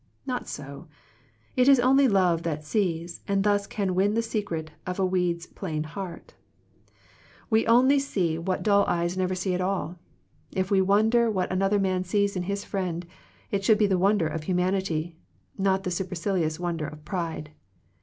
Not so: it is only love that sees, and thus can *'win the secret of a weed's plain heart." We only see 30 Digitized by VjOOQIC THE MIRACLE OF FRIENDSHIP what dull eyes never see at all. If we wonder what another man sees in his friend, it should be the wonder of hu* mility, not the supercilious wonder of pride.